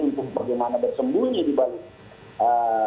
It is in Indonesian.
untuk bagaimana bersembunyi di balik